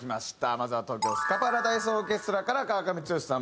まずは東京スカパラダイスオーケストラから川上つよしさん茂木欣一さん。